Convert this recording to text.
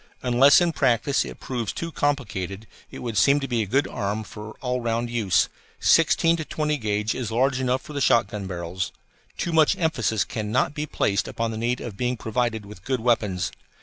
Unless in practice it proves too complicated, it would seem to be a good arm for all round use sixteen to twenty gauge is large enough for the shotgun barrels. Too much emphasis cannot be placed upon the need of being provided with good weapons.